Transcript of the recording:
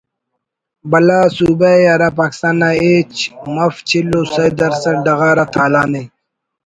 بھلا صوبہ ءِ ہرا پاکستا ن نا ہچ مف چل و سہ درسَد ڈغار آ تالان ءِ